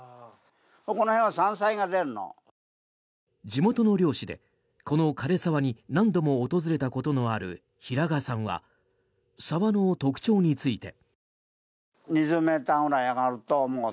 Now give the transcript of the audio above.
地元の猟師で、この枯れ沢に何度も訪れたことのある平賀さんは沢の特徴について。